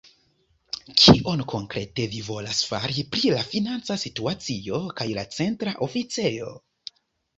Kion konkrete vi volas fari pri la financa situacio kaj la Centra Oficejo?